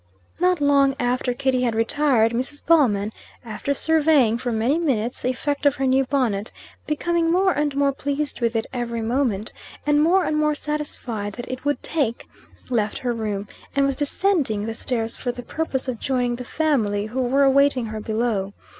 Not long after Kitty had retired, Mrs. Ballman, after surveying, for many minutes, the effect of her new bonnet, becoming more and more pleased with it every moment, and more and more satisfied that it would "take," left her room, and was descending the stairs for the purpose of joining the family, who were awaiting her below.